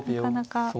なかなか。